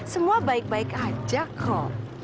semua baik baik aja kok